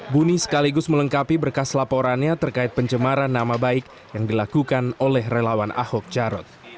buni sekaligus melengkapi berkas laporannya terkait pencemaran nama baik yang dilakukan oleh relawan ahok jarot